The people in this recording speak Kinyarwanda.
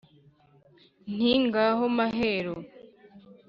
Nti: ngaho Mahero